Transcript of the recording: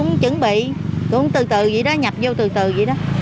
cũng chuẩn bị cũng từ từ gì đó nhập vô từ từ vậy đó